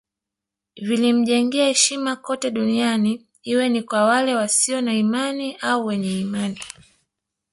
Vilimjengea heshima kote duniani iwe ni kwa wale wasio na imani au wenye imani